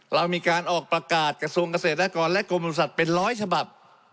เรามีการออกประกาศกระทรวงเกษตรและกรและกรมบริษัทเป็นร้อยฉบับ